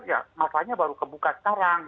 ya masalahnya baru kebuka sekarang